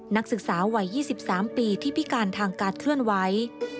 นักศึกษาวัย๒๓ปีที่พิการทางการเคลื่อนไหว